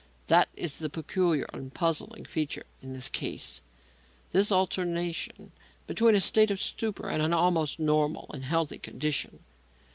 That is the peculiar and puzzling feature in the case; this alternation between a state of stupor and an almost normal and healthy condition.